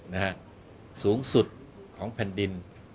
นะฮะสูงสุดของแผ่นดิน